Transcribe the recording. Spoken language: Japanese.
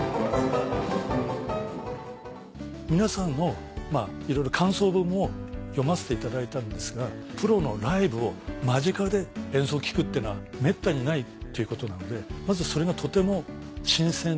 皆さんのいろいろ感想文も読ませていただいたんですがプロのライブを間近で演奏を聴くっていうのはめったにないっていうことなのでまずそれがとても新鮮で。